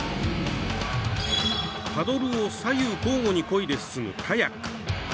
パドルを左右交互に、こいで進むカヤック。